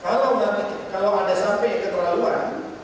kalau menurut anda sangat keterlaluan